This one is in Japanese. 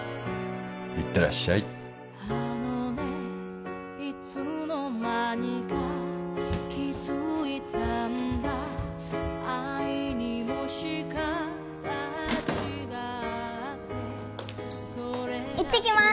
行ってらっしゃい行ってきます